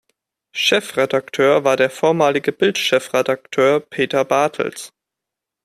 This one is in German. Chefredakteur war der vormalige Bild-Chefredakteur Peter Bartels.